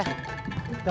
kita langsung aja